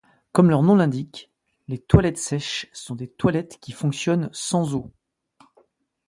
Comme leur nom l’indique, les toilettes sèches sont des toilettes qui fonctionnent sans eau.